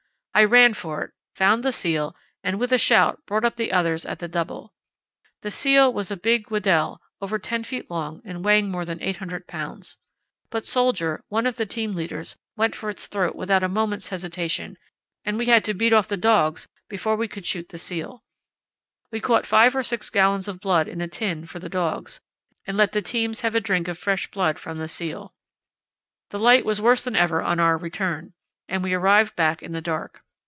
I ran for it, found the seal, and with a shout brought up the others at the double. The seal was a big Weddell, over 10 ft. long and weighing more than 800 lbs. But Soldier, one of the team leaders, went for its throat without a moment's hesitation, and we had to beat off the dogs before we could shoot the seal. We caught five or six gallons of blood in a tin for the dogs, and let the teams have a drink of fresh blood from the seal. The light was worse than ever on our return, and we arrived back in the dark.